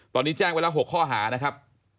ตอนนี้แจ้งไว้แล้ว๖ข้อหานะครับ